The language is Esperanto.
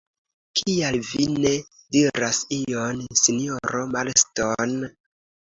Kial vi ne diras ion, sinjoro Marston?